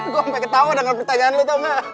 gue sampe ketawa dengan pertanyaan lo tau ga